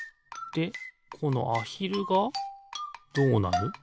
でこのアヒルがどうなる？